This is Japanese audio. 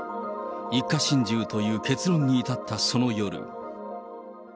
一家心中という結論に至ったその夜。